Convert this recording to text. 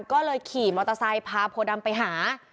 ก็เลยขี่มอเตอร์ไซค์พาโพดำไปหา